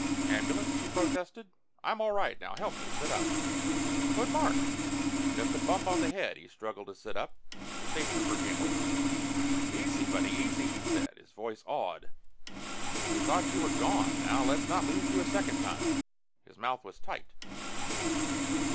"Ambulance?" he protested. "I'm all right now. Help me sit up." "But Mark " "Just a bump on the head." He struggled to sit up. The State Trooper came over. "Easy, buddy, easy," he said, his voice awed. "We thought you were gone. Now let's not lose you a second time." His mouth was tight.